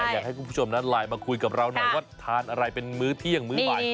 อยากให้คุณผู้ชมนั้นไลน์มาคุยกับเราหน่อยว่าทานอะไรเป็นมื้อเที่ยงมื้อบ่าย